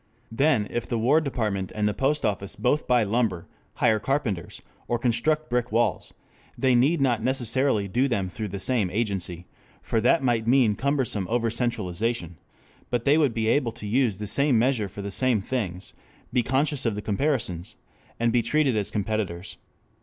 Then if the War Department and the Post Office both buy lumber, hire carpenters, or construct brick walls they need not necessarily do them through the same agency, for that might mean cumbersome over centralization; but they would be able to use the same measure for the same things, be conscious of the comparisons, and be treated as competitors.